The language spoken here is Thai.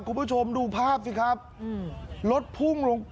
คุณผู้ชมดูภาพสิครับอืมรถพุ่งลงไป